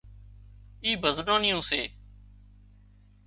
اي ڀزنان نيون سي